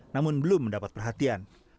namun belum mendapat perhatian